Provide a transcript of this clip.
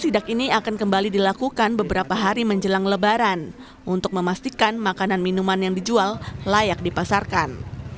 sidak ini akan kembali dilakukan beberapa hari menjelang lebaran untuk memastikan makanan minuman yang dijual layak dipasarkan